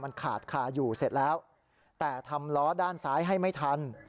มันขาดคาอยู่เสร็จแล้วแต่ทำล้อด้านซ้ายให้ไม่ทัน